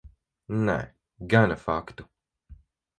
Nē, gana faktu.